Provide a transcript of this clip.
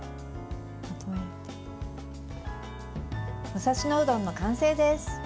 武蔵野うどんの完成です。